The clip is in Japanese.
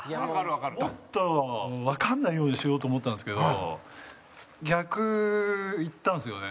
もっとわかんないようにしようと思ったんですけど逆いったんですよね。